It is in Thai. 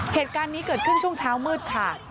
เหตุการณ์นี้เกิดขึ้นช่วงเช้ามืดค่ะ